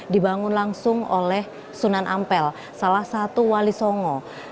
seribu empat ratus dua puluh satu dibangun langsung oleh sunan ampel salah satu wali songo